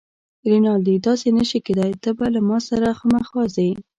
رینالډي: داسې نه شي کیدای، ته به له ما سره خامخا ځې.